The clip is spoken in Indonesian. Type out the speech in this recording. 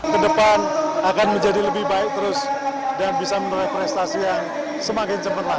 kedepan akan menjadi lebih baik terus dan bisa menurut prestasi yang semakin cepat lah